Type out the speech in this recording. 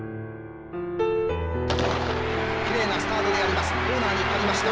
きれいなスタートであります。